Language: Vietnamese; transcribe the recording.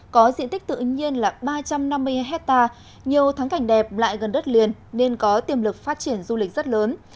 có diện tích tự nhiên là ba trăm năm mươi hectare nhiều thắng cảnh đẹp lại gần đất liền nên có tiềm lực phát triển du lịch rất lớn